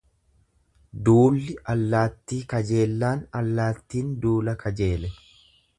Duulli allaattii kajeellaan allaattin duula kajeele.